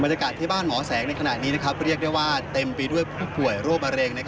ที่บ้านหมอแสงในขณะนี้เรียกได้ว่าเต็มไปด้วยผู้ป่วยโรคมะเร็ง